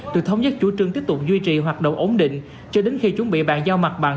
từ thống nhất chủ trương tiếp tục duy trì hoạt động ổn định cho đến khi chuẩn bị bàn giao mặt bằng